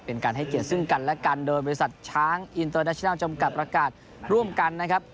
เป็นการให้เกียรติซึ่งกันและกันโดยบริษัทช้างอินเตอร์ดัชนัลจำกัดประกาศร่วมกันนะครับ